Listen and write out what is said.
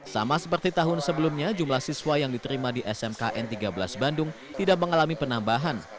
sama seperti tahun sebelumnya jumlah siswa yang diterima di smkn tiga belas bandung tidak mengalami penambahan